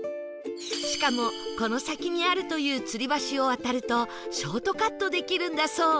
しかもこの先にあるという吊り橋を渡るとショートカットできるんだそう